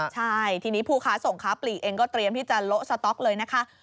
ใช่ทีนี้ผู้ค้าส่งค้าปลีกเองก็เตรียมที่จะโละสต๊อกเลยนะคะ